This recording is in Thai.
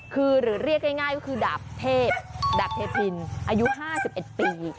คือหรือเรียกง่ายก็คือดาบเทพดาบเทพินอายุ๕๑ปี